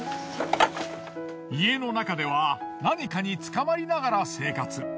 家の中では何かにつかまりながら生活。